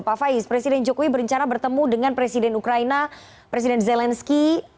pak faiz presiden jokowi berencana bertemu dengan presiden ukraina presiden zelensky